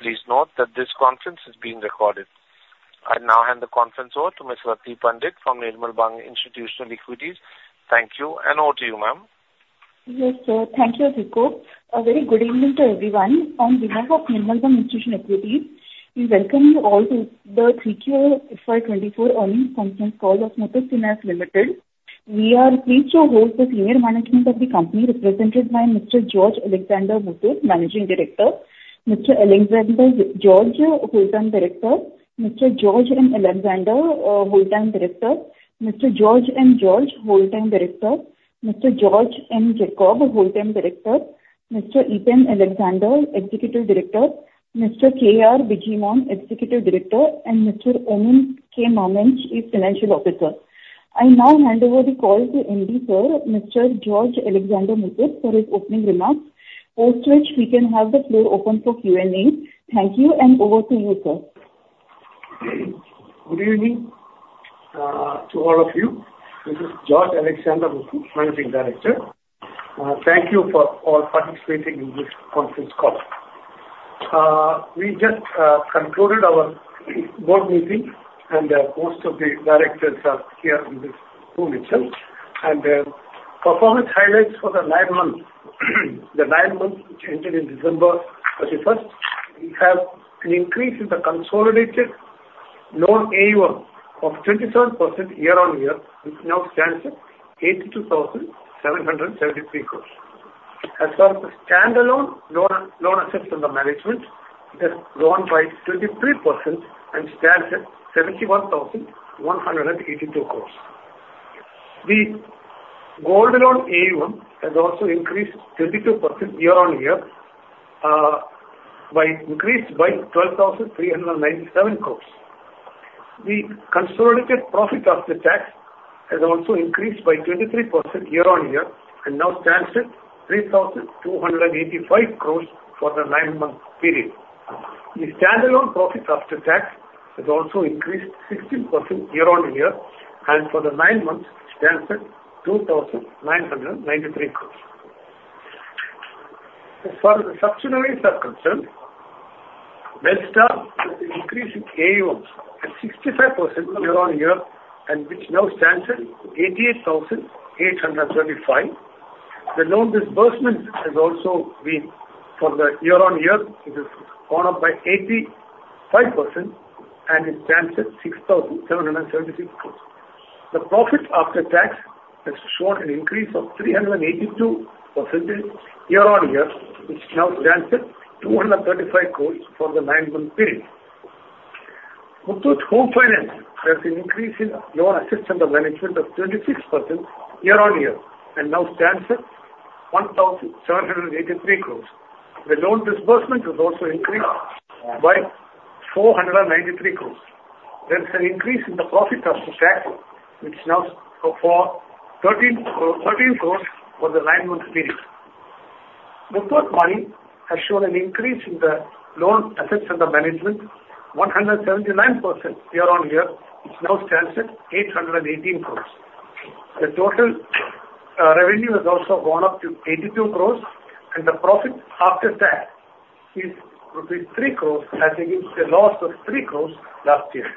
Please note that this conference is being recorded. I now hand the conference over to Ms. Rati Pandit from Nirmal Bang Institutional Equities. Thank you, and over to you, ma'am. Yes, sir. Thank you, Atiko. A very good evening to everyone. On behalf of Nirmal Bang Institutional Equities, we welcome you all to the Q3 FY24 earnings conference call of Muthoot Finance Limited. We are pleased to host the senior management of the company, represented by Mr. George Alexander Muthoot, Managing Director, Mr. Alexander George, Whole-time Director, Mr. George M. Alexander, Whole-time Director, Mr. George M. George, Whole-time Director, Mr. George M. Jacob, Whole-time Director, Mr. Eapen Alexander, Executive Director, Mr. K.R. Bijimon, Executive Director, and Mr. Oommen K. Mammen, Chief Financial Officer. I now hand over the call to MD, sir, Mr. George Alexander Muthoot, for his opening remarks, after which we can have the floor open for Q&A. Thank you, and over to you, sir. Good evening, to all of you. This is George Alexander Muthoot, Managing Director. Thank you for all participating in this conference call. We just concluded our board meeting, and most of the directors are here in this room itself. Performance highlights for the nine months. The nine months, which ended in December 31st, we have an increase in the consolidated loan AUM of 27% year-on-year, which now stands at 82,773 crore. As for the standalone loan, loan assets under management, it has grown by 23% and stands at 71,182 crore. The gold loan AUM has also increased 32% year-on-year, by increase by 12,397 crore. The consolidated profit after tax has also increased by 23% year-on-year and now stands at 3,285 crore for the nine-month period. The standalone profit after tax has also increased 16% year-on-year, and for the nine months stands at 2,993 crore. As far as the subsidiaries are concerned, Belstar has been increasing AUM at 65% year-on-year, and which now stands at 88,835 crore. The loan disbursement has also been for the year on year, it has gone up by 85% and it stands at 6,736 crore. The profit after tax has shown an increase of 382% year-on-year, which now stands at 235 crore for the nine-month period. Muthoot Home Finance has an increase in loan assets under management of 26% year-on-year, and now stands at 1,783 crore. The loan disbursement has also increased by 493 crore. There is an increase in the profit after tax, which now for 13 crores for the nine-month period. Muthoot Money has shown an increase in the loan assets under management 179% year-on-year, which now stands at 818 crore. The total revenue has also gone up to 82 crore, and the profit after tax is rupees 3 crore, as against a loss of 3 crore last year.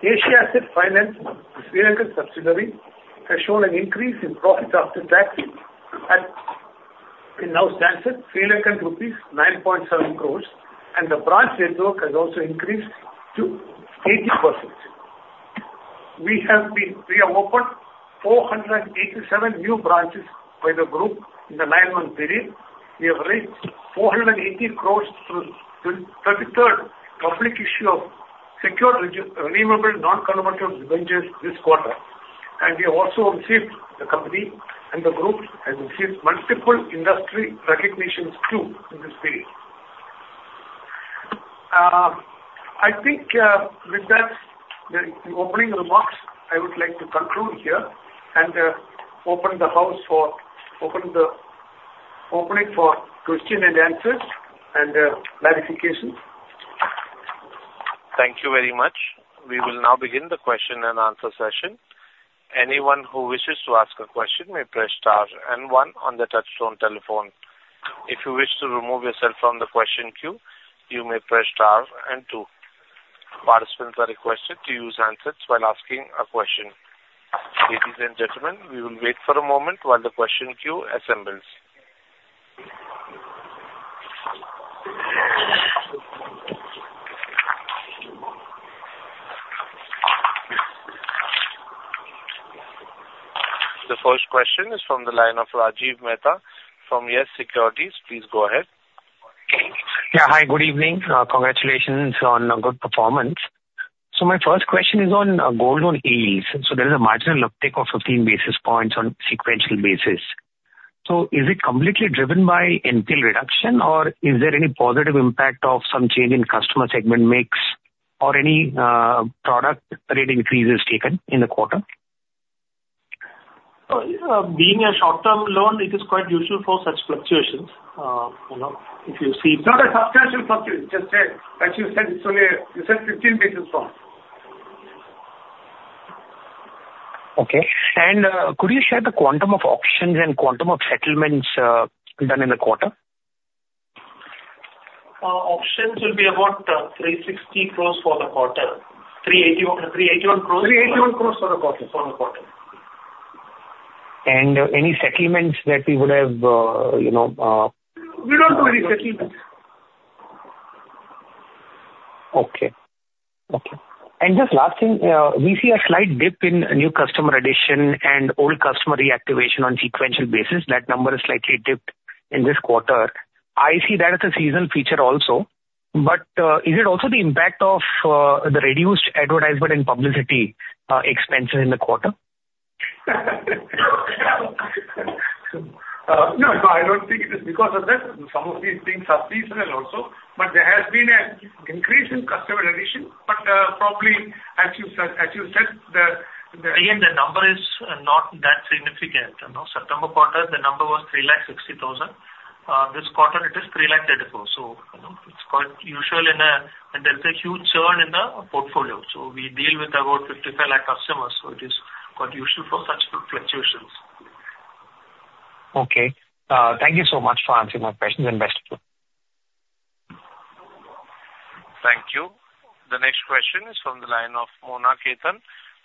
Asia Asset Finance, the Sri Lankan subsidiary, has shown an increase in profit after tax and it now stands at LKR 9.7 crores, and the branch network has also increased to 80%. We have opened 487 new branches by the group in the nine-month period. We have raised 480 crores through 23rd public issue of secured redeemable non-convertible debentures this quarter. We have also received, the company and the group, has received multiple industry recognitions, too, in this period. I think with that, the opening remarks, I would like to conclude here and open the house for questions and answers and clarifications. Thank you very much. We will now begin the question and answer session. Anyone who wishes to ask a question may press star and one on the touchtone telephone. If you wish to remove yourself from the question queue, you may press star and two. Participants are requested to use handsets while asking a question. Ladies and gentlemen, we will wait for a moment while the question queue assembles. The first question is from the line of Rajiv Mehta from Yes Securities. Please go ahead. Yeah. Hi, good evening. Congratulations on a good performance. So my first question is on gold loan AUMs. So there is a marginal uptick of 15 basis points on sequential basis. So is it completely driven by NPL reduction, or is there any positive impact of some change in customer segment mix or any product rate increases taken in the quarter? Being a short-term loan, it is quite usual for such fluctuations. You know, if you see- Not a substantial fluctuation, just a, as you said, it's only you said 15 basis points.... Okay. And, could you share the quantum of auctions and quantum of settlements, done in the quarter? Options will be about 360 crore for the quarter. 381, 381 crore- 381 crore for the quarter. For the quarter. Any settlements that you would have, you know, We don't do any settlements. Okay. Okay. And just last thing, we see a slight dip in new customer addition and old customer reactivation on sequential basis. That number is slightly dipped in this quarter. I see that as a seasonal feature also, but is it also the impact of the reduced advertisement and publicity expenses in the quarter? No, no, I don't think it is because of that. Some of these things are seasonal also, but there has been an increase in customer addition. But, probably, as you said, as you said, Again, the number is not that significant, you know. September quarter, the number was 360,000. This quarter it is 334,000. So, you know, it's quite usual in a... And there's a huge churn in the portfolio. So we deal with about 5,500,000 customers, so it is quite usual for such fluctuations. Okay. Thank you so much for answering my questions, and best to you. Thank you. The next question is from the line of Mona Khetan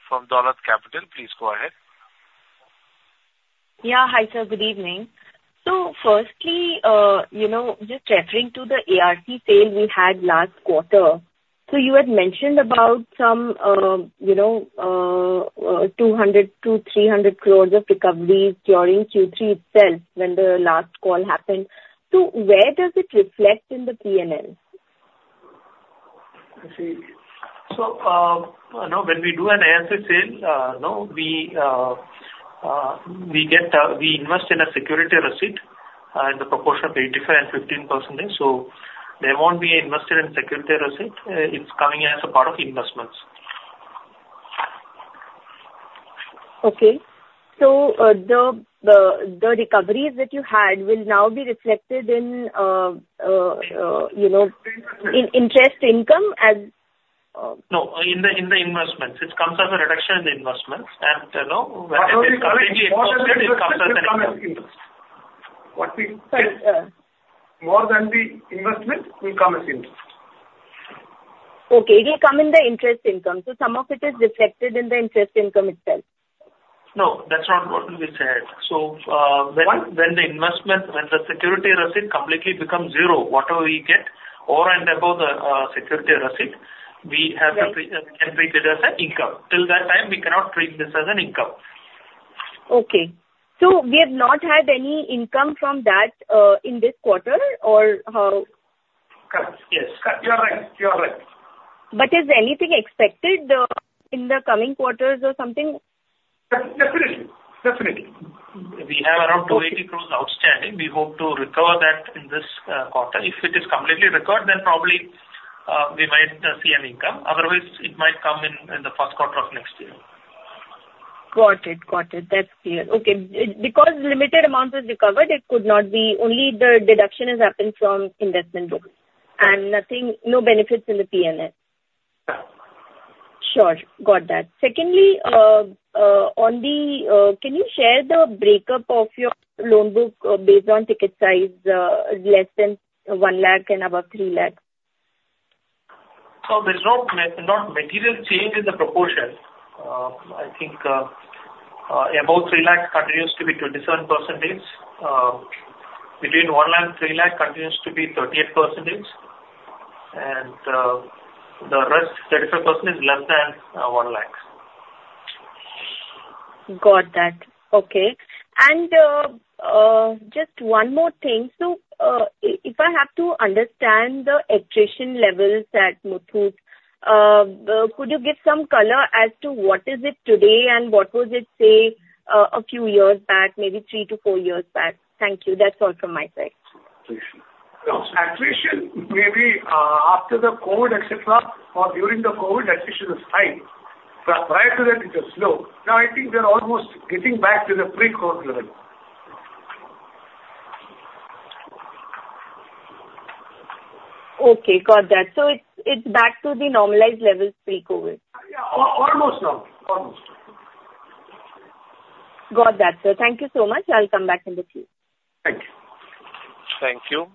from Dolat Capital. Please go ahead. Yeah. Hi, sir, good evening. So firstly, you know, just referring to the ARC sale we had last quarter. So you had mentioned about some, you know, 200 crore-300 crore of recoveries during Q3 itself, when the last call happened. So where does it reflect in the P&L? I see. So, you know, when we do an ARC sale, no, we invest in a Security Receipt, in the proportion of 85% and 15%, so the amount we invested in Security Receipt, it's coming as a part of investments. Okay. So, the recoveries that you had will now be reflected in, you know, in interest income as- No, in the investments. It comes as a reduction in the investments. And, you know, when it is completely invested, it comes as an income. What we... Right, uh. More than the investment will come as interest. Okay, it will come in the interest income, so some of it is reflected in the interest income itself. No, that's not what we said. So, when- What? when the investment, when the security receipt completely becomes zero, whatever we get over and above the security receipt, we have to- Right. We can treat it as an income. Till that time, we cannot treat this as an income. Okay. So we have not had any income from that, in this quarter, or? Correct. Yes, correct. You are right. You are right. Is there anything expected in the coming quarters or something? De-definitely. Definitely. We have around 280 crore outstanding. We hope to recover that in this quarter. If it is completely recovered, then probably we might see an income, otherwise, it might come in, in the first quarter of next year. Got it, got it. That's clear. Okay. Because limited amount is recovered, it could not be... Only the deduction has happened from investment book, and nothing, no benefits in the P&L? Yeah. Sure. Got that. Secondly, can you share the breakup of your loan book, based on ticket size, less than 1 lakh and above 3 lakh? There's no material change in the proportion. I think above 3 lakh continues to be 27%, between 1 lakh, 3 lakh continues to be 38%, and the rest, 35% is less than 1 lakh. Got that. Okay. And, just one more thing. So, if I have to understand the attrition levels at Muthoot, could you give some color as to what is it today, and what was it, say, a few years back, maybe three to four years back? Thank you. That's all from my side. Attrition, maybe, after the COVID, etc., or during the COVID, attrition was high. But prior to that, it was low. Now, I think we are almost getting back to the pre-COVID level. Okay, got that. So it's, it's back to the normalized levels pre-COVID? Yeah, almost normal. Almost. Got that, sir. Thank you so much. I'll come back in the queue. Thank you. Thank you.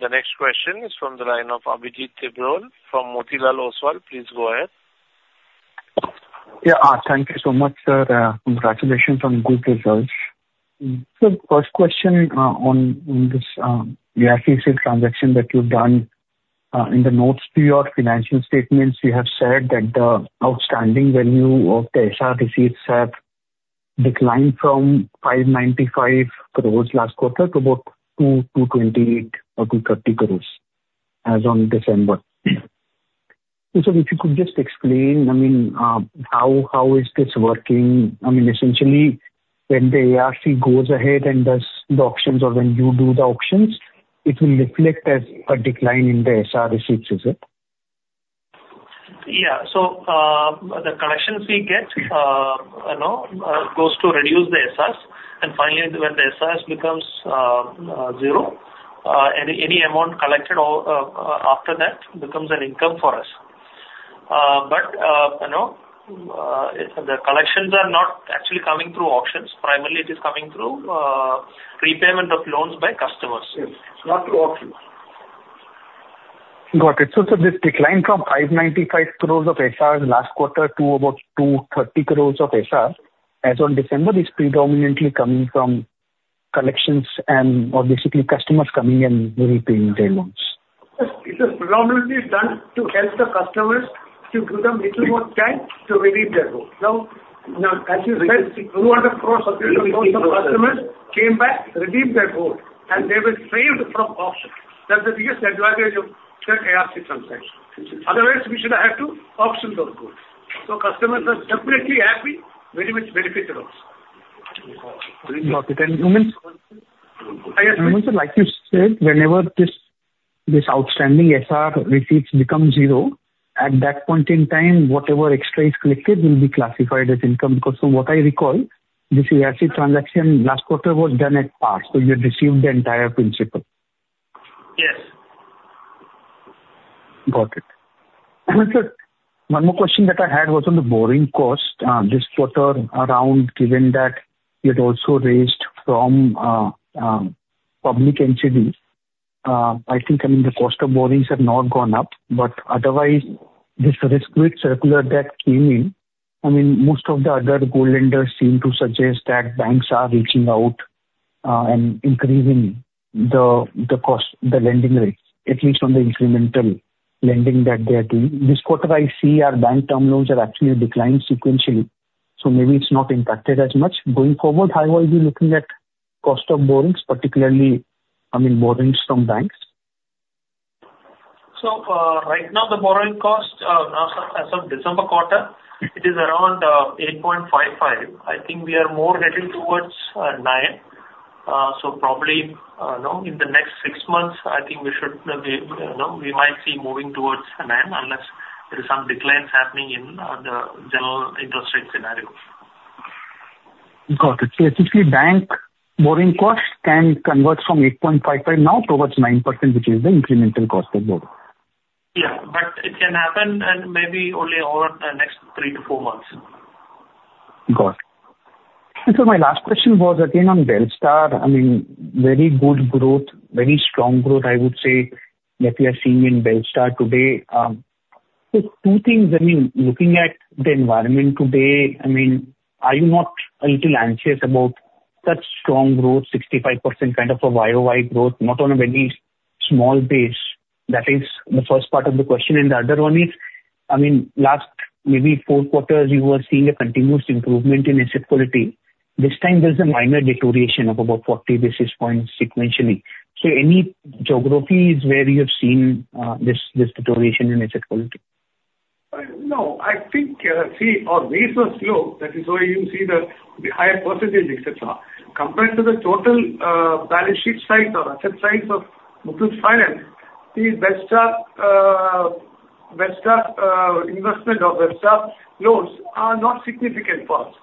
The next question is from the line of Abhijit Tibrewal from Motilal Oswal. Please go ahead. Yeah. Thank you so much, sir. Congratulations on good results. So first question, on this, the ARC sale transaction that you've done. In the notes to your financial statements, you have said that the outstanding value of the SR receipts have declined from 595 crore last quarter to about 228 crore or 230 crore as on December. So if you could just explain, I mean, how is this working? I mean, essentially, when the ARC goes ahead and does the auctions or when you do the auctions, it will reflect as a decline in the SR receipts, is it? Yeah. So, the collections we get, you know, goes to reduce the SRs only when the SRs becomes zero, any amount collected after that becomes an income for us. But, you know, the collections are not actually coming through auctions. Primarily, it is coming through repayment of loans by customers. Yes, not through auctions. Got it. So, so this decline from 595 crore of SR in the last quarter to about 230 crore of SR, as on December, is predominantly coming from collections and or basically customers coming and repaying their loans? Yes, it is predominantly done to help the customers, to give them little more time to redeem their loans. Now, as you said, through other processes, customers came back, redeemed their gold, and they were saved from auction. That's the biggest advantage of the ARC transaction. Otherwise, we should have to auction those goods. So customers are separately happy, very much benefited also. Got it. And you mean- Yes. I would like to say, whenever this outstanding SR receipts become zero, at that point in time, whatever extra is collected will be classified as income. Because from what I recall, this ARC transaction last quarter was done at par, so you received the entire principal. Yes. Got it. One more question that I had was on the borrowing cost, this quarter around, given that you had also raised from public NCD. I think, I mean, the cost of borrowings have not gone up, but otherwise, this risk weight circular that came in, I mean, most of the other gold lenders seem to suggest that banks are reaching out and increasing the cost, the lending rates, at least on the incremental lending that they are doing. This quarter I see our bank term loans are actually declined sequentially, so maybe it's not impacted as much. Going forward, how are you looking at cost of borrowings, particularly, I mean, borrowings from banks? So, right now, the borrowing cost, as of, as of December quarter, it is around 8.55. I think we are more heading towards 9. So probably, you know, in the next six months, I think we should be, you know, we might see moving towards 9, unless there is some declines happening in the general interest rate scenario. Got it. So basically, bank borrowing costs can convert from 8.55 now towards 9%, which is the incremental cost of borrowing. Yeah, but it can happen and maybe only over the next 3-4 months. Got it. And so my last question was again on Belstar. I mean, very good growth, very strong growth, I would say, that we are seeing in Belstar today. So two things, I mean, looking at the environment today, I mean, are you not a little anxious about such strong growth, 65% kind of a YOY growth, not on a very small base? That is the first part of the question. And the other one is, I mean, last maybe four quarters, you were seeing a continuous improvement in asset quality. This time there's a minor deterioration of about 40 basis points sequentially. So any geographies where you have seen, this deterioration in asset quality? No, I think, see, our base was low. That is why you see the higher percentage, et cetera. Compared to the total balance sheet size or asset size of Muthoot Finance, the Belstar investment of Belstar loans are not significant for us.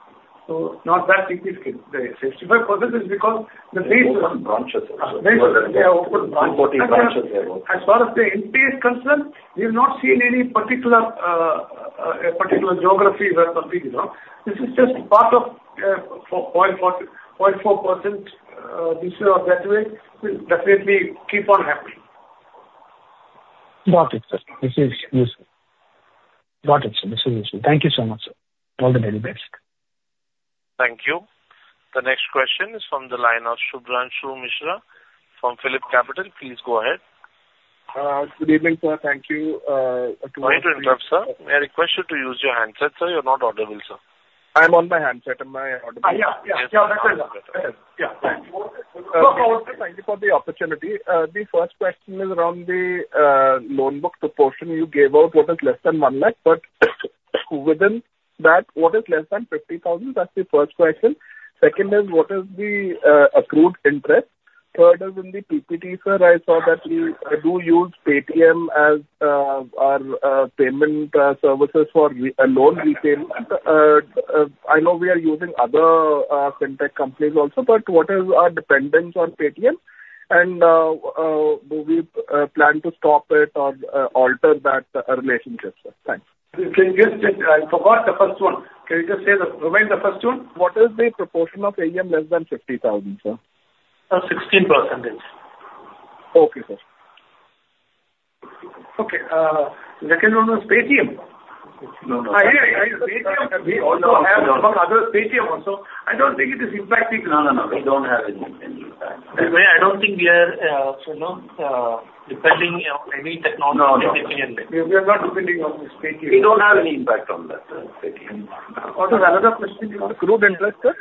So not that significant. The 65% is because the base- Branches. Base, yeah, open branches. 14 branches there. As far as the NPA is concerned, we've not seen any particular geography where something is wrong. This is just part of 4.40, 0.4%, this way or that way, will definitely keep on happening. Got it, sir. This is useful. Got it, sir. This is useful. Thank you so much, sir. All the very best. Thank you. The next question is from the line of Shubhranshu Mishra from PhillipCapital. Please go ahead. Good evening, sir. Thank you. Wait, sir. I request you to use your handset, sir. You're not audible, sir. I'm on my handset. Am I audible? Yeah, yeah. You're audible. Yeah. Thank you. Thank you for the opportunity. The first question is around the loan book, the portion you gave out, what is less than 1 lakh, but within that, what is less than 50,000? That's the first question. Second is, what is the accrued interest? Third is, in the PPT, sir, I saw that you do use Paytm as our payment services for re-loan repayment. I know we are using other fintech companies also, but what is our dependence on Paytm? And do we plan to stop it or alter that relationship, sir? Thanks. Can you just... I forgot the first one. Can you just say the, remind the first one? What is the proportion of AUM less than 50,000, sir? 16%. Okay, sir. Okay, second one was Paytm. No, no. Yeah, yeah, Paytm. We also have some other Paytm also. I don't think it is impacting. No, no, no, we don't have any, any impact. I don't think we are, you know, depending on any technology definitely. No, no, we are not depending on Paytm. We don't have any impact on that, Paytm. What was the other question? Accrued interest, sir?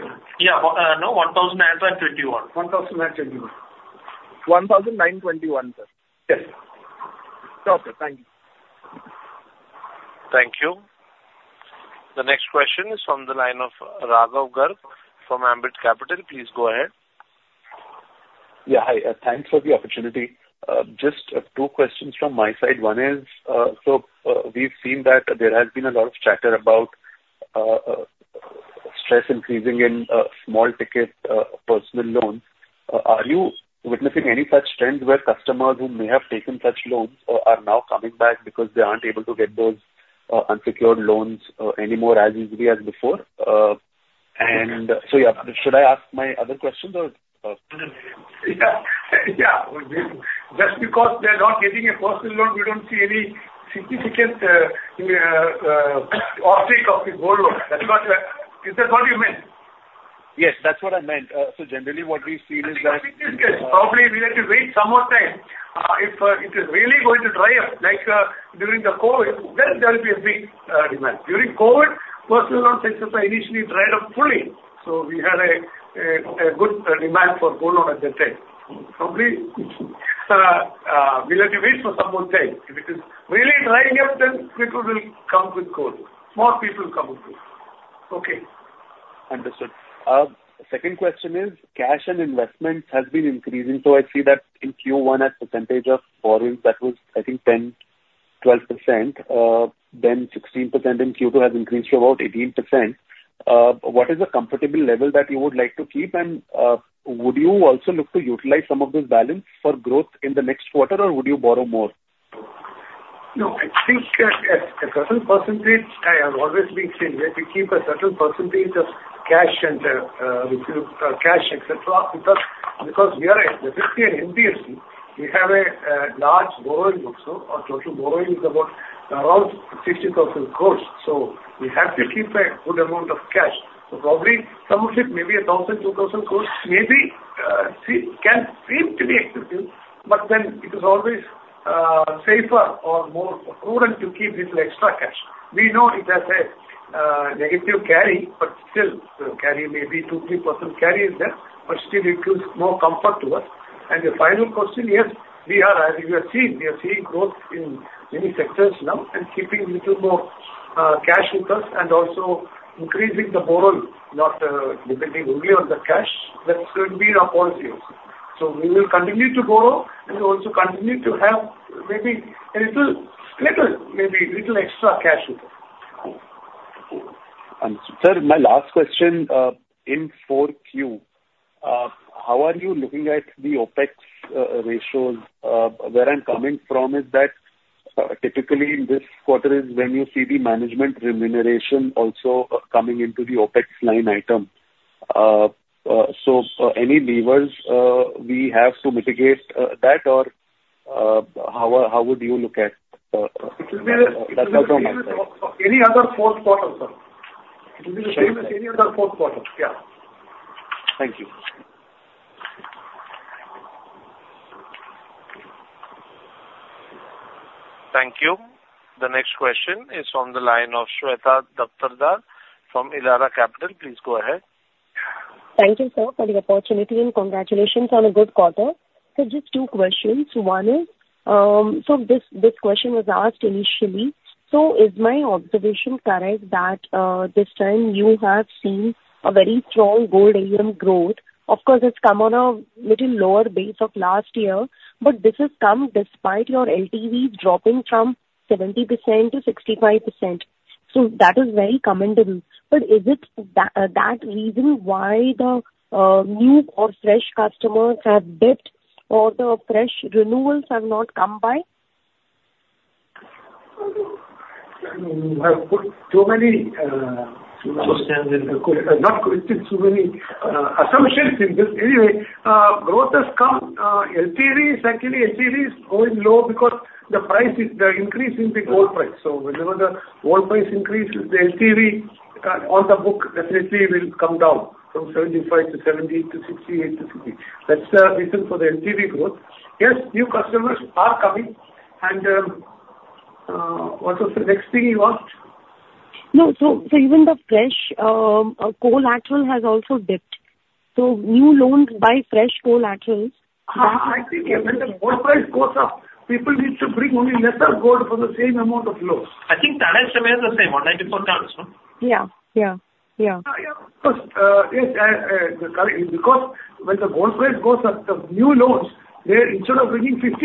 INR 1,921 crore. INR 1,921 crore. 1,921 crore, sir. Yes. Okay, thank you. Thank you. The next question is from the line of Raghav Garg from Ambit Capital. Please go ahead.... Yeah, hi, thanks for the opportunity. Just two questions from my side. One is, so, we've seen that there has been a lot of chatter about stress increasing in small ticket personal loans. Are you witnessing any such trends where customers who may have taken such loans are now coming back because they aren't able to get those unsecured loans anymore as easily as before? And so, yeah, should I ask my other question or? Yeah. Yeah. Just because they're not getting a personal loan, we don't see any significant uptake of the gold loan. Is that what you meant? Yes, that's what I meant. So generally what we've seen is that- Probably, we have to wait some more time. If it is really going to dry up, like, during COVID, then there will be a big demand. During COVID, personal loans, et cetera, initially dried up fully, so we had a good demand for Gold Loan at that time. Probably, we'll have to wait for some more time. If it is really drying up, then people will come with gold. More people will come with gold. Okay. Understood. Second question is, cash and investments has been increasing, so I see that in Q1, at percentage of borrowing, that was, I think, 10%-12%, then 16% in Q2 has increased to about 18%. What is a comfortable level that you would like to keep? And, would you also look to utilize some of this balance for growth in the next quarter, or would you borrow more? No, I think a certain percentage. I have always been saying, we have to keep a certain percentage of cash and cash, et cetera, because we are definitely an NBFC. We have a large borrowing book. So our total borrowing is about around 60,000 crore, so we have to keep a good amount of cash. So probably, some of it, maybe 1,000 crore-2,000 crore, maybe it can seem to be expensive, but then it is always safer or more prudent to keep little extra cash. We know it has a negative carry, but still, the carry may be 2%-3% carry is there, but still it gives more comfort to us. The final question, yes, we are, as you have seen, we are seeing growth in many sectors now and keeping little more cash with us and also increasing the borrowing, not depending only on the cash. That could be our policy also. So we will continue to borrow, and we also continue to have maybe a little, little, maybe little extra cash with us. Sir, my last question, in 4Q, how are you looking at the OpEx ratios? Where I'm coming from is that, typically this quarter is when you see the management remuneration also coming into the OpEx line item. So any levers we have to mitigate that, or how would you look at that...? Any other fourth quarter, sir. It will be the same as any other fourth quarter. Yeah. Thank you. Thank you. The next question is on the line of Shweta Daptardar from Elara Capital. Please go ahead. Thank you, sir, for the opportunity, and congratulations on a good quarter. Just two questions. One is, so this, this question was asked initially: So is my observation correct that, this time you have seen a very strong gold AUM growth? Of course, it's come on a little lower base of last year, but this has come despite your LTV dropping from 70% to 65%. That is very commendable. But is it that reason why the, new or fresh customers have dipped or the fresh renewals have not come by? You have put too many, not put too many, assumptions in this. Anyway, growth has come, LTV is actually, LTV is going low because the price is, the increase in the gold price. So whenever the gold price increases, the LTV on the book definitely will come down from 75 to 70 to 68 to 60. That's the reason for the LTV growth. Yes, new customers are coming, and what was the next thing you asked? No. So, so even the fresh collateral has also dipped. So new loans by fresh collaterals- I think when the gold price goes up, people need to bring only lesser gold for the same amount of loans. I think tonnage remains the same, 194 tons, no? Yeah. Yeah. Yeah. Yeah, of course. Yes, correct, because when the gold price goes up, the new loans, they instead of bringing 50g,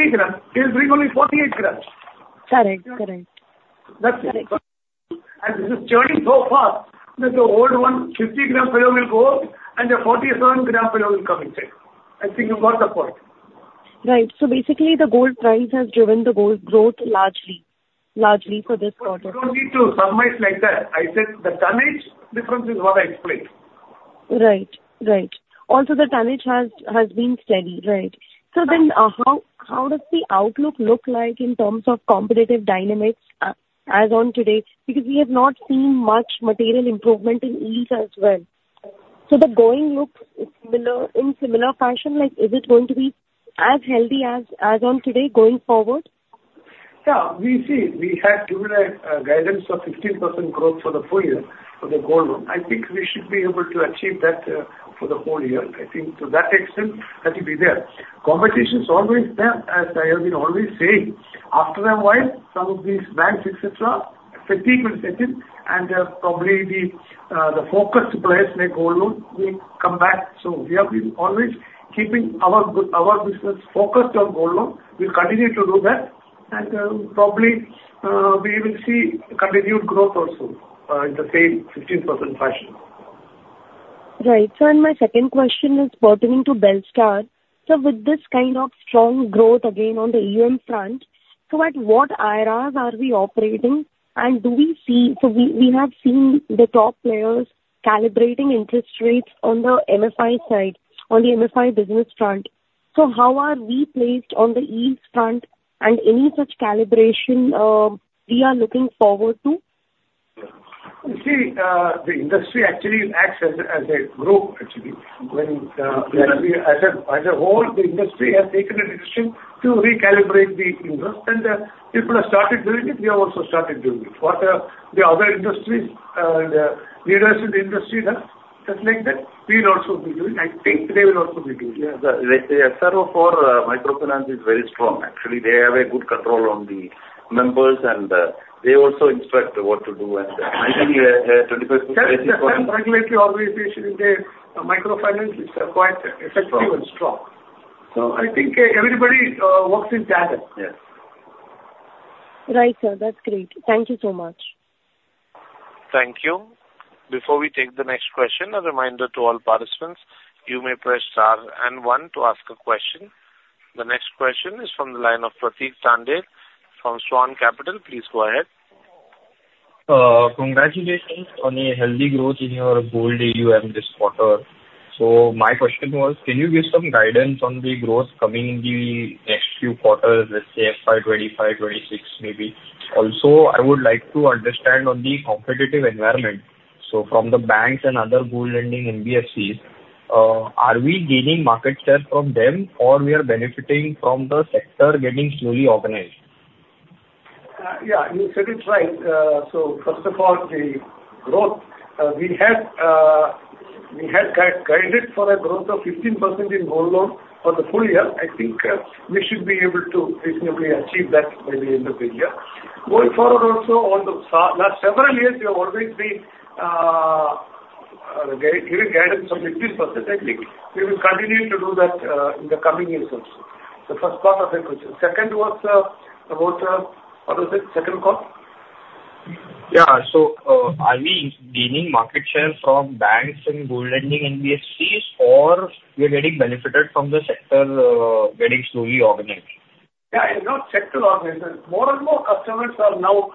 they bring only 48g. Correct, correct. That's it. This is turning so fast that the old one, 50g fellow will go, and the 47g fellow will come instead. I think you got the point. Right. So basically, the gold price has driven the gold growth largely, largely for this quarter. You don't need to summarize like that. I said the tonnage difference is what I explained. Right. Right. Also, the tonnage has been steady, right. So then, how does the outlook look like in terms of competitive dynamics, as on today? Because we have not seen much material improvement in ease as well. So the going look similar, in similar fashion, like, is it going to be as healthy as on today, going forward? Yeah, we see. We had given a guidance of 15% growth for the full year for the gold loan. I think we should be able to achieve that for the whole year. I think to that extent, that will be there. Competition is always there, as I have been always saying. After a while, some of these banks, et cetera, fatigue will set in, and probably the focused players like gold loan will come back. So we have been always keeping our go- our business focused on gold loan. We'll continue to do that... and probably we will see continued growth also in the same 15% fashion. Right. So, my second question is pertaining to Belstar. So with this kind of strong growth again on the EMI front, so at what IRRs are we operating, and do we see... So we have seen the top players calibrating interest rates on the MFI side, on the MFI business front. So how are we placed on the EMI front and any such calibration we are looking forward to? You see, the industry actually acts as a group, actually. When, as a whole, the industry has taken a decision to recalibrate the interest, and people have started doing it, we have also started doing it. What the other industries and leaders in the industry done, just like that, we will also be doing. I think they will also be doing. Yeah, the SRO for microfinance is very strong. Actually, they have a good control on the members, and they also instruct what to do. And I think 20%- Yes, the self-regulatory organization in the microfinance is quite effective and strong. Strong. I think everybody works in tandem. Yes. Right, sir. That's great. Thank you so much. Thank you. Before we take the next question, a reminder to all participants, you may press star and one to ask a question. The next question is from the line of Pratik Tandel from Swan Capital. Please go ahead. Congratulations on a healthy growth in your gold AUM this quarter. So my question was, can you give some guidance on the growth coming in the next few quarters, let's say, by 2025, 2026, maybe? Also, I would like to understand on the competitive environment. So from the banks and other gold lending NBFCs, are we gaining market share from them, or we are benefiting from the sector getting slowly organized? Yeah, you said it right. So first of all, the growth. We had guided for a growth of 15% in gold loan for the full year. I think we should be able to reasonably achieve that by the end of the year. Going forward also, so, last several years, we have always been giving guidance of 15%. I think we will continue to do that in the coming years also. The first part of the question. Second was about... What was it? Second call. Yeah. So, are we gaining market share from banks and gold lending NBFCs, or we are getting benefited from the sector, getting slowly organized? Yeah, it's not sector organized. More and more customers are now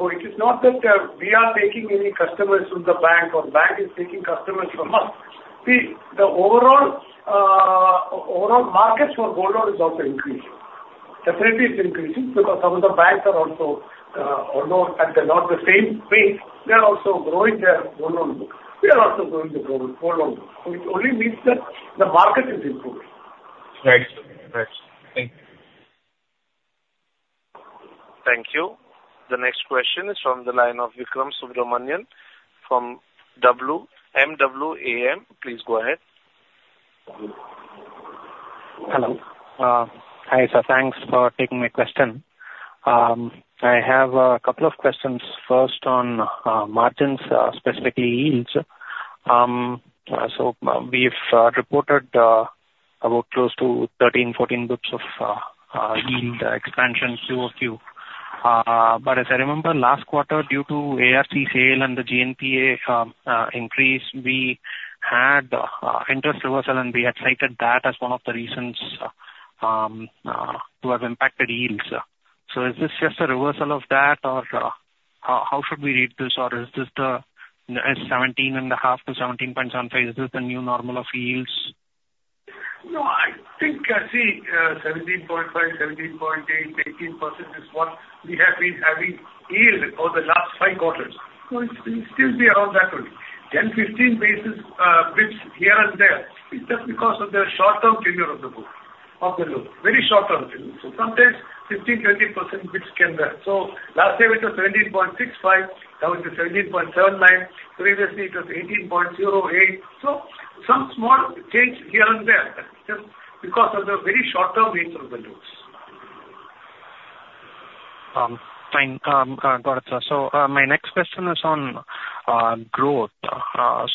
growing. It is not that we are taking any customers from the bank, or bank is taking customers from us. See, the overall markets for gold loan is also increasing. Definitely, it's increasing because some of the banks are also, although at not the same pace, they are also growing their gold loan book. We are also growing the gold loan book. It only means that the market is improving. Right. Right. Thank you. Thank you. The next question is from the line of Vikram Subramanian from MWAM. Please go ahead. Hello. Hi, sir. Thanks for taking my question. I have a couple of questions. First, on margins, specifically yields. So, we've reported about close to 13-14 basis points of yield expansion quarter-over-quarter. But as I remember, last quarter, due to ARC sale and the GNPA increase, we had interest reversal, and we had cited that as one of the reasons to have impacted yields. So is this just a reversal of that, or how should we read this? Or is this the 17.5-17.75, is this the new normal of yields? No, I think, see, 17.5%, 17.8%, 18% is what we have been having yield for the last five quarters. So it's, it's still be around that only. Then 15 basis points here and there is just because of the short-term tenure of the book, of the loan. Very short-term tenure. So sometimes 15, 20 basis points came there. So last year it was 17.65%, now it is 17.79%. Previously, it was 18.08%. So some small change here and there, just because of the very short-term nature of the loans. Fine. Got it, sir. So, my next question is on growth,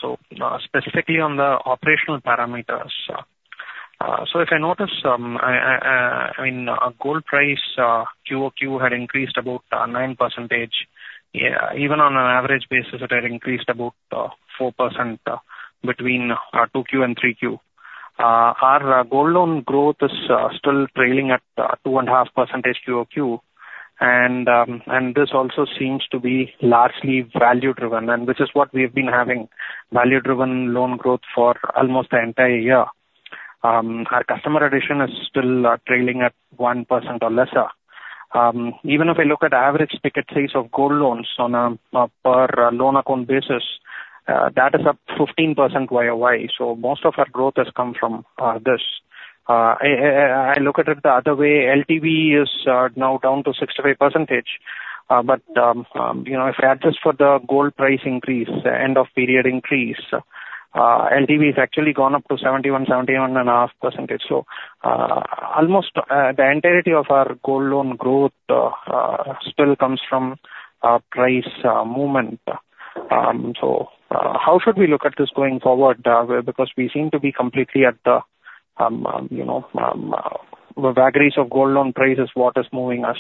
so specifically on the operational parameters. So if I notice, I mean, gold price QOQ had increased about 9%. Yeah, even on an average basis, it had increased about 4% between 2Q and 3Q. Our gold loan growth is still trailing at 2.5% QOQ, and this also seems to be largely value-driven, and which is what we've been having, value-driven loan growth for almost the entire year. Our customer addition is still trailing at 1% or less. Even if I look at average ticket size of gold loans on a per loan account basis, that is up 15% YOY. So most of our growth has come from this. I look at it the other way, LTV is now down to 65%. But you know, if you adjust for the gold price increase, the end of period increase, LTV has actually gone up to 71%-71.5%. So almost the entirety of our gold loan growth still comes from price movement. So how should we look at this going forward? Because we seem to be completely at the you know the vagaries of gold loan prices, what is moving us?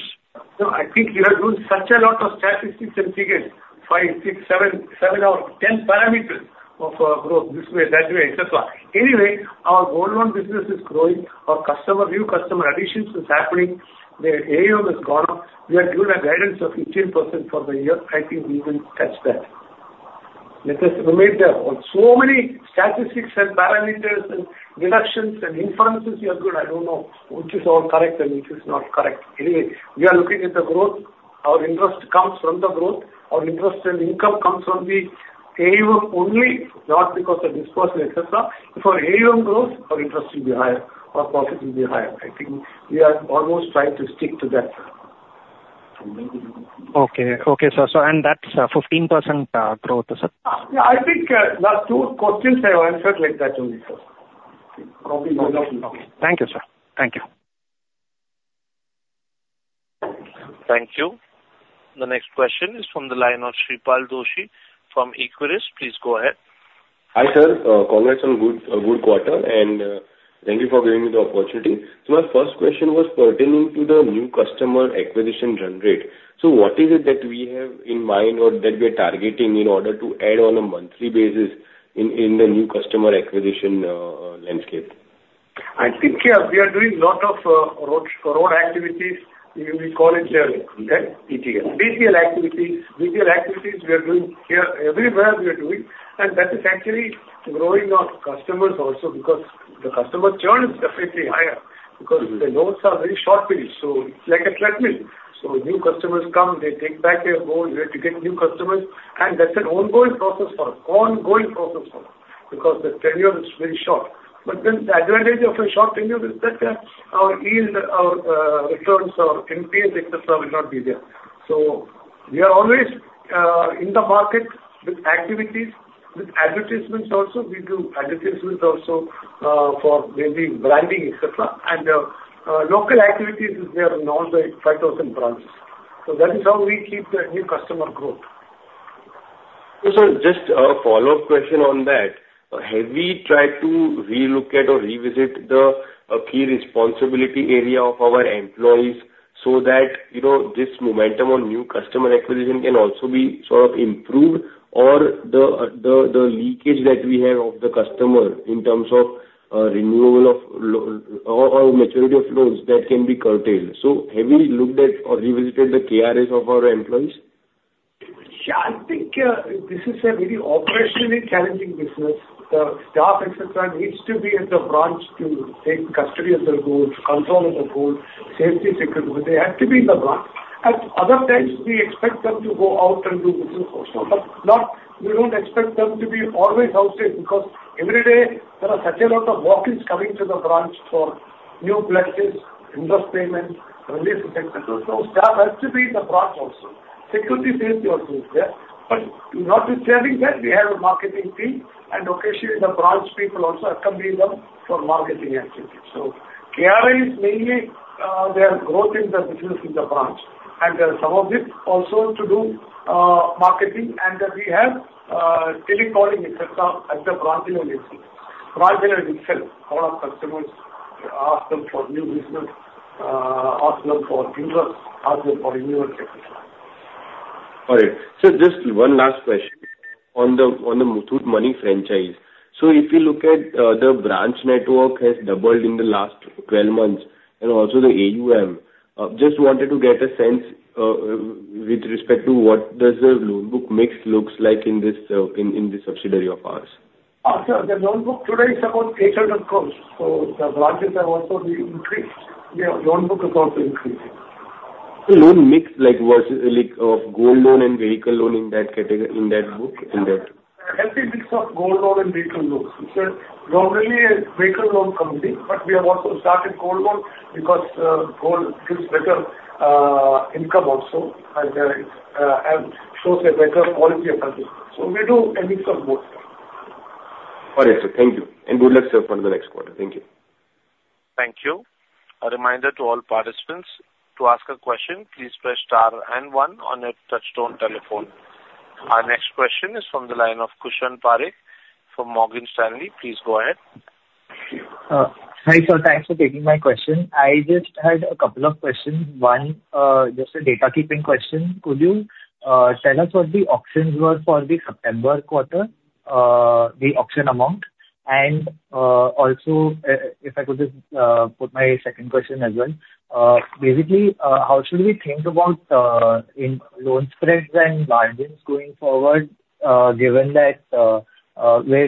No, I think you have done such a lot of statistics and figures, 5, 6, 7, 7 or 10 parameters of growth, this way, that way, et cetera. Anyway, our gold loan business is growing. Our customer, new customer additions is happening. The AUM has gone up. We have given a guidance of 18% for the year. I think we will catch that. Let us remain there. On so many statistics and parameters and deductions and inferences you have done, I don't know which is all correct and which is not correct. Anyway, we are looking at the growth. Our interest comes from the growth. Our interest and income comes from the AUM only, not because of disbursement, et cetera. If our AUM grows, our interest will be higher, our profit will be higher. I think we are almost trying to stick to that. Okay. Okay, sir. So and that's 15% growth, sir? Yeah, I think, last two questions I have answered like that only, sir. Thank you, sir. Thank you. Thank you. The next question is from the line of Shreepal Doshi from Equirus. Please go ahead. Hi, sir. Congrats on good, good quarter, and thank you for giving me the opportunity. So my first question was pertaining to the new customer acquisition run rate. So what is it that we have in mind or that we are targeting in order to add on a monthly basis in the new customer acquisition landscape? I think, yeah, we are doing lot of road, road activities. We call it BTL, okay? BTL. BTL activities. BTL activities we are doing here, everywhere we are doing, and that is actually growing our customers also, because the customer churn is definitely higher, because the loans are very short-lived, so it's like a treadmill. So new customers come, they take back their gold, we have to get new customers, and that's an ongoing process for us, ongoing process for us, because the tenure is very short. But then the advantage of a short tenure is that, our yield, our, returns or NPS, et cetera, will not be there. So we are always, in the market with activities, with advertisements also. We do advertisements also, for maybe branding, et cetera. And, local activities is there in all the 5,000 branches. So that is how we keep the new customer growth. So sir, just a follow-up question on that. Have we tried to relook at or revisit the key responsibility area of our employees so that, you know, this momentum on new customer acquisition can also be sort of improved, or the leakage that we have of the customer in terms of renewal or maturity of loans that can be curtailed? So have we looked at or revisited the KRAs of our employees? Yeah, I think, this is a very operationally challenging business. The staff, et cetera, needs to be at the branch to take custody of the gold, control of the gold, safety, security. They have to be in the branch. At other times, we expect them to go out and do business also, but not, we don't expect them to be always outside, because every day there are such a lot of walk-ins coming to the branch for new pledges, interest payments, release, et cetera. So staff has to be in the branch also. Security safety also is there. But notwithstanding that, we have a marketing team, and occasionally the branch people also accompany them for marketing activities. So KRA is mainly their growth in the business in the branch, and there are some of it also to do marketing, and we have telecalling, et cetera, at the branch level itself. Branch level itself, all our customers ask them for new business, ask them for interest, ask them for renewal, et cetera. All right. So just one last question on the Muthoot Money franchise. So if you look at the branch network has doubled in the last 12 months and also the AUM. Just wanted to get a sense with respect to what does the loan book mix looks like in this subsidiary of ours? Sir, the loan book today is about 800 crore. The branches have also been increased. The loan book is also increasing. The loan mix, like, versus like, Gold Loan and vehicle loan in that category, in that book, in that- A healthy mix of gold loan and vehicle loans. So normally a vehicle loan company, but we have also started gold loan because gold gives better income also, and shows a better quality of customers. So we do a mix of both. All right, sir. Thank you. And good luck, sir, for the next quarter. Thank you. Thank you. A reminder to all participants, to ask a question, please press star and one on your touchtone telephone. Our next question is from the line of Kushan Parikh from Morgan Stanley. Please go ahead. Hi, sir. Thanks for taking my question. I just had a couple of questions. One, just a data keeping question. Could you tell us what the auctions were for the September quarter, the auction amount? And, also, if I could just put my second question as well. Basically, how should we think about in loan spreads and margins going forward, given that we're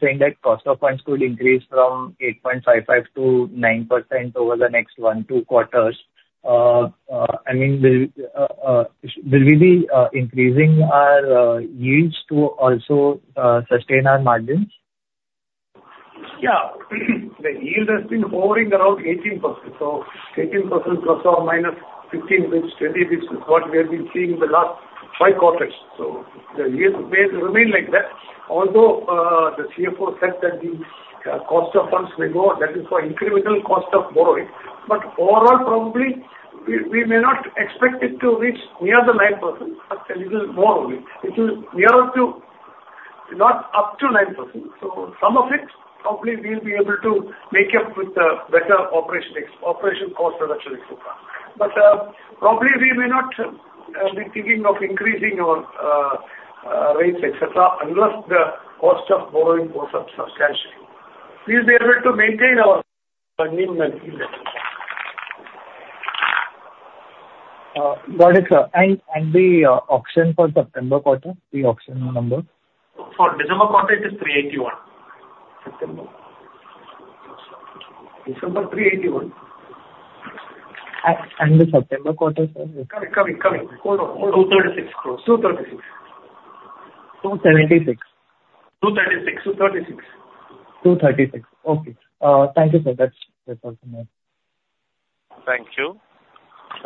saying that cost of funds could increase from 8.55% to 9% over the next one, two quarters, I mean, will we be increasing our yields to also sustain our margins? Yeah. The yield has been hovering around 18%. So 18% plus or minus 15 basis, 20 basis, is what we have been seeing in the last 5 quarters. So the yield will remain like that. Although, the CFO said that the cost of funds may go, that is for incremental cost of borrowing. But overall, probably, we may not expect it to reach near the 9%, just a little more only. It will nearer to, not up to 9%. So some of it, probably we will be able to make up with the better operation ex- operation cost reduction, et cetera. But, probably we may not be thinking of increasing our rates, et cetera, unless the cost of borrowing goes up substantially. We will be able to maintain our commitment in that. Got it, sir. And the auction for September quarter, the auction number? For December quarter, it is 381. September? December, 381. The September quarter, sir? Coming, coming, coming. 236 crore. 236 crore. INR 276 crore. 236 crore, 236 crore. 236 crore. Okay. Thank you, sir. That's, that's all from me. Thank you.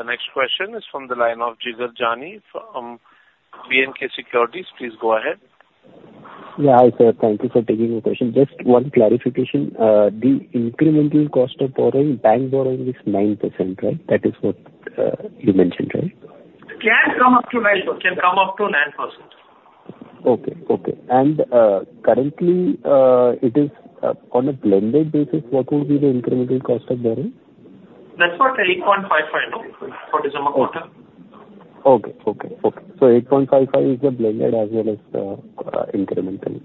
The next question is from the line of Jigar Jani from B&K Securities. Please go ahead. Yeah, hi, sir. Thank you for taking my question. Just one clarification. The incremental cost of borrowing, bank borrowing is 9%, right? That is what you mentioned, right? Can come up to 9%. Can come up to 9%. Okay. Okay. Currently, it is on a blended basis, what would be the incremental cost of borrowing? That's what, 8.55 now for December quarter. Okay. Okay, okay. So 8.55 is the blended as well as the, incremental,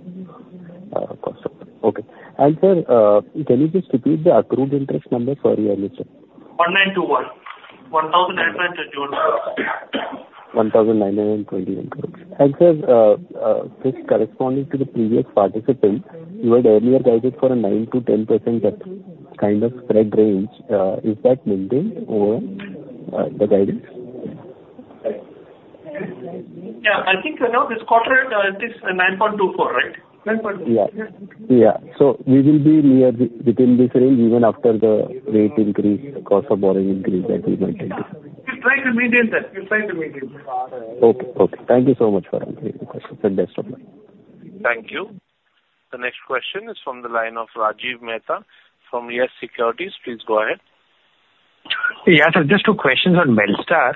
cost of it. Okay. And sir, can you just repeat the accrued interest number for year? 1,921 crore. 1,921 crore. 1,921 crore. Sir, just corresponding to the previous participant, you had earlier guided for a 9%-10% kind of spread range. Is that maintained or the guidance? Yeah, I think, you know, this quarter, it is 9.24%, right? 9.2%. Yeah. Yeah. We will be near within this range even after the rate increase, cost of borrowing increase that we mentioned. We're trying to maintain that. We're trying to maintain that. Okay. Okay, thank you so much for answering the question. Best of luck. Thank you. The next question is from the line of Rajiv Mehta, from YES Securities. Please go ahead. Yeah, so just two questions on Belstar.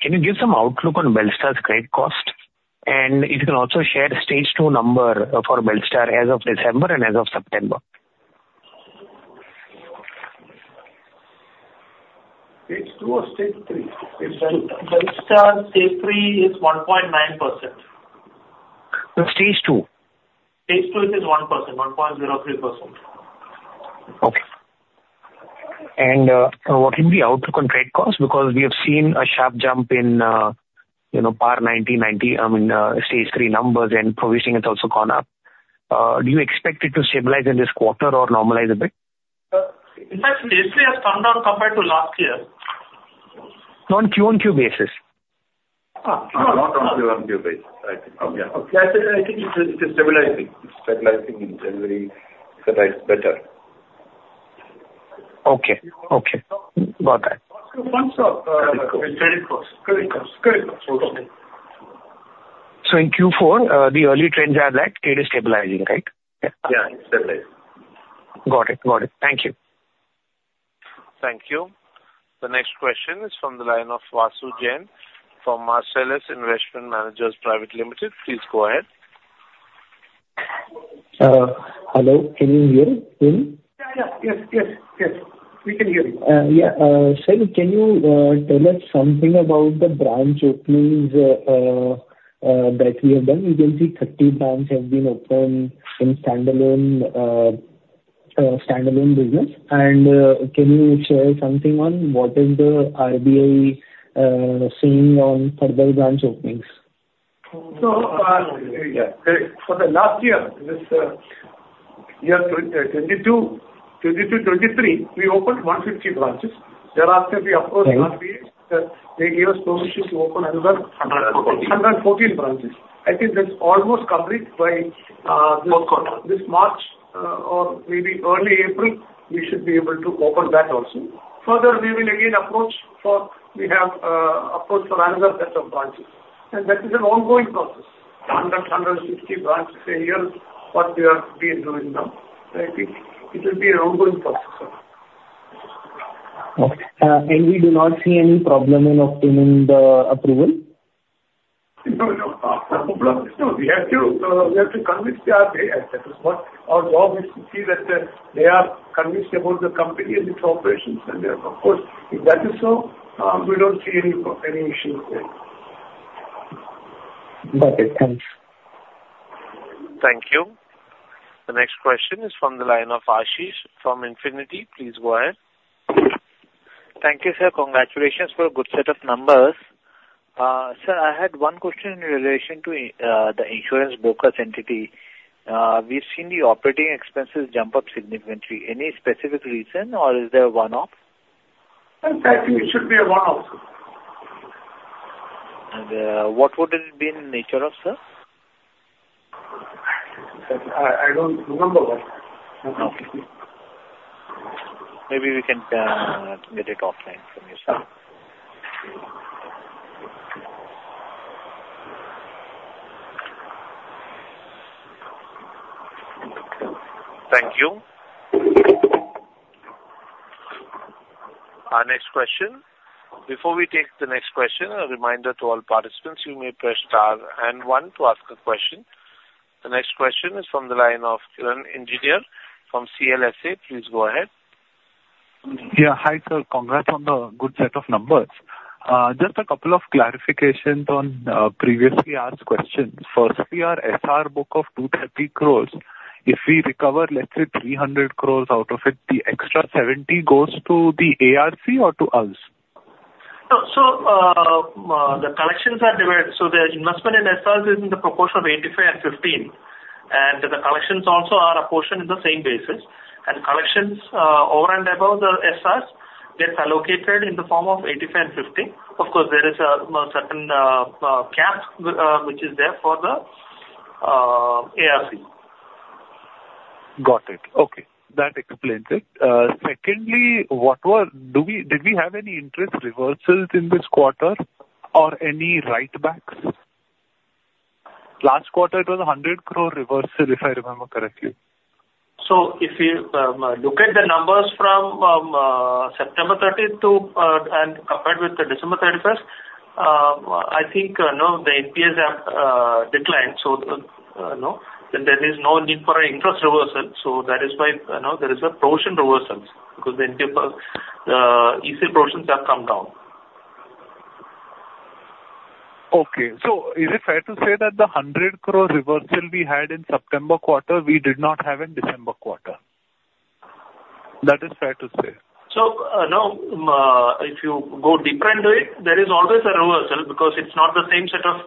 Can you give some outlook on Belstar's credit cost? And if you can also share Stage Two number for Belstar as of December and as of September. Stage Two or Stage Three? Belstar Stage Three is 1.9%. No, Stage Two. Stage Two, it is 1%, 1.03%. Okay. And, what is the outlook on credit cost? Because we have seen a sharp jump in, you know, 1.99%, I mean, Stage Three numbers, and provisioning has also gone up. Do you expect it to stabilize in this quarter or normalize a bit? In fact, Stage Three has come down compared to last year. No, on QoQ basis. Not on QoQ basis. Right. Okay. Yeah. I think it is stabilizing. It's stabilizing in January, so that's better. Okay. Okay. Got that. Cost of Funds or... Credit cost. Credit cost. Credit cost. Okay. So in Q4, the early trends are that it is stabilizing, right? Yeah, it's stabilizing. Got it. Got it. Thank you. Thank you. The next question is from the line of Vasu Jain, from Marcellus Investment Managers Private Limited. Please go ahead. Hello, can you hear me? Yeah, yeah. Yes, yes, yes, we can hear you. Yeah, sir, can you tell us something about the branch openings that we have done? We can see 30 branches have been opened in standalone business. And, can you share something on what is the RBI saying on further branch openings? So, yeah, for the last year, this year 2022-2023, we opened 150 branches. Thereafter, we approached RBI, they gave us permission to open another- 114. 114 branches. I think that's almost complete by Q4. This March, or maybe early April, we should be able to open that also. Further, we will again approach for... We have approached for another set of branches, and that is an ongoing process. 100, 150 branches a year, what we are doing now. So I think it will be an ongoing process. Okay. And we do not see any problem in obtaining the approval? No, no. No, we have to convince the RBI, that is what our job is to see that they are convinced about the company and its operations. And then, of course, if that is so, we don't see any issues there. Got it. Thanks. Thank you. The next question is from the line of Ashish, from Infinity. Please go ahead. Thank you, sir. Congratulations for a good set of numbers. Sir, I had one question in relation to the insurance brokers entity. We've seen the operating expenses jump up significantly. Any specific reason, or is there a one-off? I think it should be a one-off. What would it be in nature of, sir? I don't remember what. Okay. Maybe we can get it offline from you, sir.... Thank you. Our next question. Before we take the next question, a reminder to all participants, you may press star and one to ask a question. The next question is from the line of Piran Engineer from CLSA. Please go ahead. Yeah. Hi, sir. Congrats on the good set of numbers. Just a couple of clarifications on previously asked questions. First, we are SR book of 230 crore. If we recover, let's say, 300 crore out of it, the extra 70 goes to the ARC or to us? The collections are divided. The investment in SR is in the proportion of 85 and 15, and the collections also are apportioned in the same basis. Collections over and above the SRs get allocated in the form of 85 and 15. Of course, there is a certain cap which is there for the ARC. Got it. Okay, that explains it. Secondly, do we, did we have any interest reversals in this quarter or any write backs? Last quarter, it was 100 crore reversal, if I remember correctly. So if you look at the numbers from September 30 to and compared with the December 31, I think, you know, the NPLs have declined, so, you know, then there is no need for an interest reversal. So that is why, you know, there is a provision reversals, because the NPL provisions have come down. Okay, so is it fair to say that the 100 crore reversal we had in September quarter, we did not have in December quarter? That is fair to say. So, no, if you go deeper into it, there is always a reversal because it's not the same set of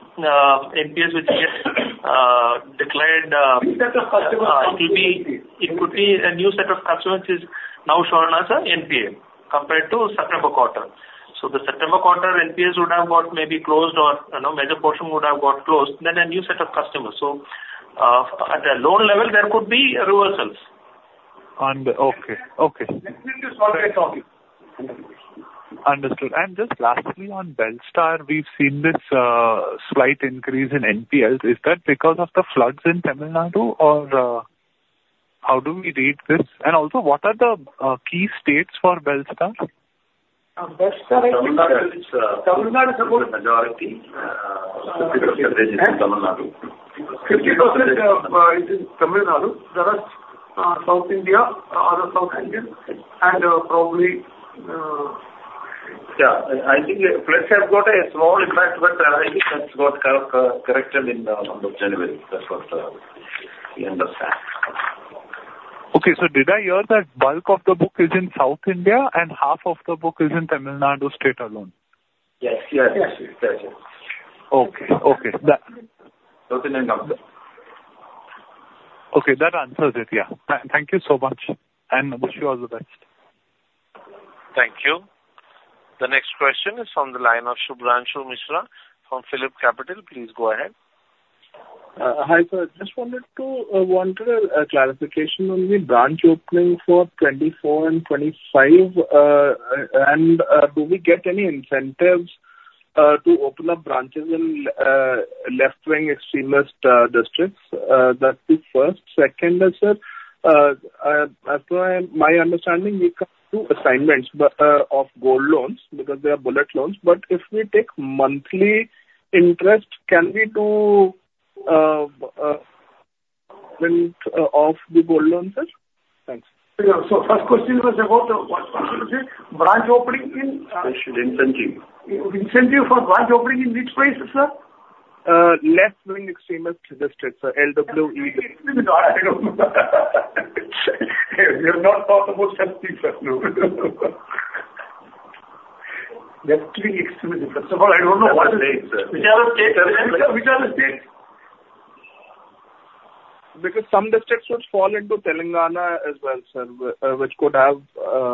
NPLs which get declared- New set of customers. It could be, it could be a new set of customers is now shown as an NPA compared to September quarter. So the September quarter NPA would have got maybe closed or, you know, major portion would have got closed, then a new set of customers. So, at the loan level, there could be reversals. Okay. Okay. Definitely it's not a problem. Understood. Just lastly, on Belstar, we've seen this slight increase in NPLs. Is that because of the floods in Tamil Nadu, or how do we read this? Also, what are the key states for Belstar? Belstar is. Tamil Nadu. Tamil Nadu is about- Majority, 50% is in Tamil Nadu. 50% is in Tamil Nadu. The rest, South India, other South Indian, and, probably... Yeah, I think floods have got a small impact, but I think that's got corrected in the month of January. That was, we understand. Okay, so did I hear that bulk of the book is in South India and half of the book is in Tamil Nadu state alone? Yes. Yes. Yes, yes. Okay. Okay, that- Southern India. Okay, that answers it. Yeah. Thank you so much, and wish you all the best. Thank you. The next question is from the line of Shubhranshu Mishra from PhillipCapital. Please go ahead. Hi, sir. Just wanted a clarification on the branch opening for 2024 and 2025. Do we get any incentives to open up branches in left-wing extremist districts? That's the first. Second is, sir, as per my understanding, we come to assignments, but of gold loans because they are bullet loans. But if we take monthly interest, can we do payment of the gold loans, sir? Thanks. First question was about what? Branch opening in Special incentive. Incentive for branch opening in which places, sir? Left-wing extremist districts, sir. LWE. We have not thought about that thing, sir, no. Left-wing extremist. First of all, I don't know what is- Which are the states? Which are the states? Because some districts which fall into Telangana as well, sir, which could have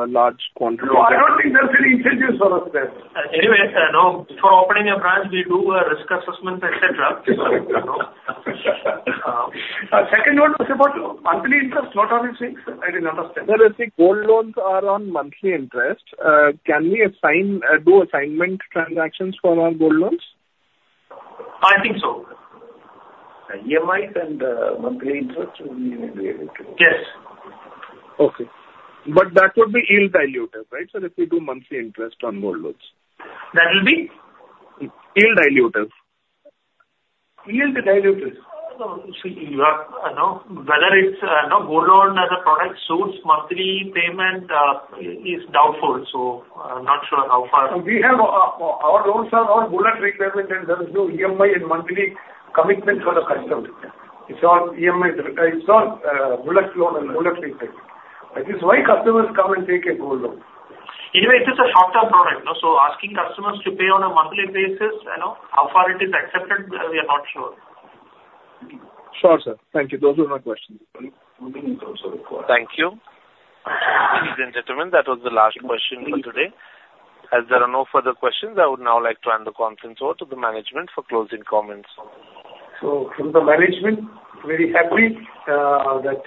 large quantity. No, I don't think there's any incentives for us there. Anyways, no, before opening a branch, we do a risk assessment, et cetera. Second one was about monthly interest, not on six. I did not understand. Sir, you see, gold loans are on monthly interest. Can we assign, do assignment transactions for our gold loans? I think so. EMI and monthly interest, we may be able to. Yes. Okay. But that would be yield dilutive, right, sir, if we do monthly interest on gold loans? That will be? Yield dilutive. Yield dilutive. No. See, you are, you know, whether it's no gold loan as a product suits monthly payment is doubtful. So I'm not sure how far- We have, our loans are on bullet requirement, and there is no EMI and monthly commitment for the customer. It's all EMI, it's all, bullet loan and bullet payment. That is why customers come and take a gold loan. Anyway, it is a short-term product, no? So asking customers to pay on a monthly basis, you know, how far it is accepted, we are not sure. Sure, sir. Thank you. Those were my questions. Thank you. Ladies and gentlemen, that was the last question for today. As there are no further questions, I would now like to hand the conference over to the management for closing comments. So from the management, very happy that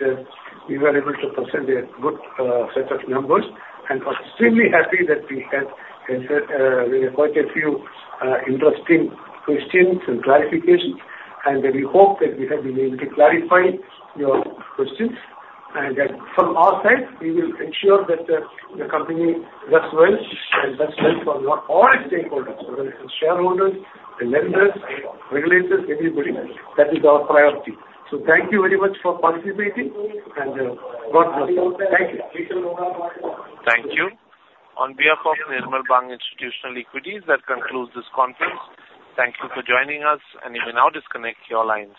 we were able to present a good set of numbers, and extremely happy that we had quite a few interesting questions and clarifications, and we hope that we have been able to clarify your questions. And from our side, we will ensure that the company does well and does well for all our stakeholders, whether it's the shareholders, the lenders, regulators, everybody. That is our priority. So thank you very much for participating, and God bless you. Thank you. Thank you. On behalf of Nirmal Bang Institutional Equities, that concludes this conference. Thank you for joining us, and you may now disconnect your lines.